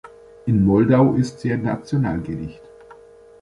In Moldau ist sie ein Nationalgericht.